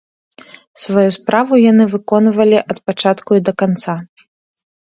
Сваю справу яны выконвалі ад пачатку і да канца.